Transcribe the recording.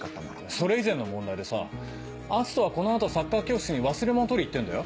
それ以前の問題でさ篤斗はこの後サッカー教室に忘れ物取りに行ってんだよ。